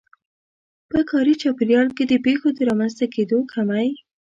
په کاري چاپېريال کې د پېښو د رامنځته کېدو کمی.